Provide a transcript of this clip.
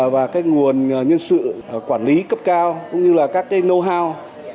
và các nguồn nhân sự quản lý cấp cao cũng như là các cái know how